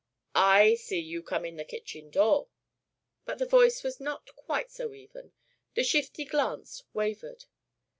"I see you come in the kitchen door." But the voice was not quite so even, the shifty glance wavered.